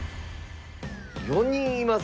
４人います。